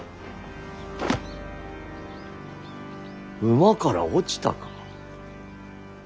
馬から落ちたか。